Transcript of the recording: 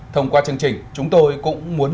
thông qua chương trình chúng tôi cũng muốn